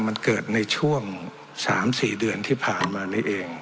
มันเกิดในช่วง๓๔เดือนที่ผ่านมานี้เอง